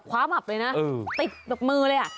ความอับเลยนะปลิกแบบมือเลยนะ